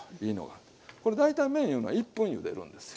これ大体麺いうのは１分ゆでるんですよ。